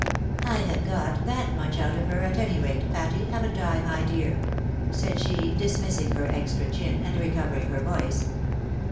" I have got that much out of her, at any rate, Patty, haven't I, my dear ?" said she, dismissing her exti'a chin, aud recovering her voice.